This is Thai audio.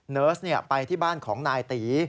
เนิร์สไปที่บ้านของนายตี